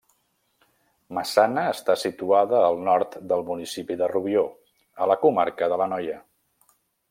Maçana està situada al nord del municipi de Rubió, a la comarca de l'Anoia.